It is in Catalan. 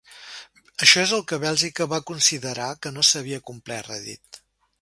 Això és el que Bèlgica va considerar que no s’havia complert, ha dit.